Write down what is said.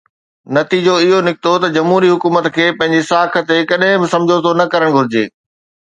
نتيجو اهو نڪتو ته جمهوري حڪومت کي پنهنجي ساک تي ڪڏهن به سمجهوتو نه ڪرڻ گهرجي.